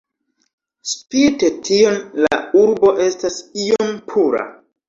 Spite tion la urbo estas iom pura.